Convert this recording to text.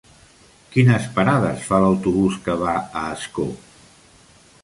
Quines parades fa l'autobús que va a Ascó?